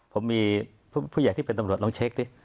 ผมมีผู้ใหญ่ที่เป็นตำรวจลองเช็คสิ